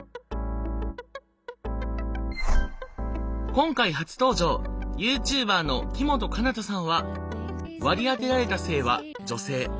今回初登場ＹｏｕＴｕｂｅｒの木本奏太さんは割り当てられた性は女性。